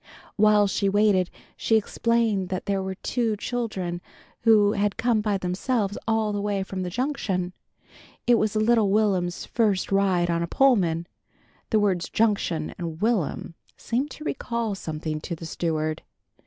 While she waited she explained that they were for two children who had come by themselves all the way from the Junction. It was little Will'm's first ride on a Pullman. The words "Junction" and "Will'm" seemed to recall something to the steward.